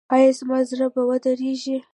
ایا زما زړه به ودریږي؟